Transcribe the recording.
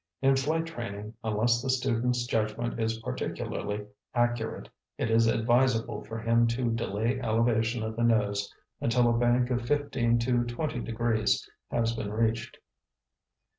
In flight training, unless the student's judgment is particularly accurate, it is advisable for him to delay elevation of the nose until a bank of 15 to 20 degrees has been reached.